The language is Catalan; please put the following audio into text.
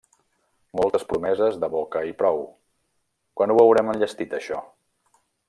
Moltes promeses de boca i prou. Quan ho veurem enllestit, això?